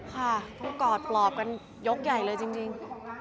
ค่ะต้องกอดปลอบกันยกใหญ่เลยจริง